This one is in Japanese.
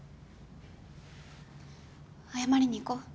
謝りに行こう。